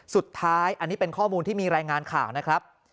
สุดท้ายอันนี้เป็นข้อมูลที่มีรายงานข่าวนะครับ